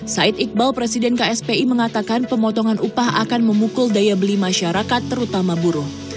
said iqbal presiden kspi mengatakan pemotongan upah akan memukul daya beli masyarakat terutama buruh